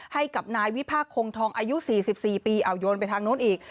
ให้กับนายวิพากษงทองอายุ๔๔ปีเอาโยนไปทางนู้นอีก